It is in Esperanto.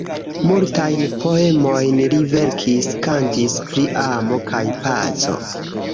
Multajn poemojn li verkis, kantis pri amo kaj paco.